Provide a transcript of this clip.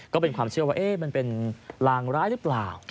ก็เป็นความเชื่อว่ามันเป็นลางร้ายหรือเปล่า